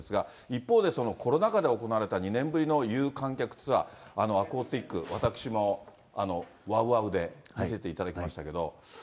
一方で、そのコロナ禍で行われた２年ぶりの有観客ツアー、アコースティック、私もＷＯＷＯＷで見せていただきましたけど。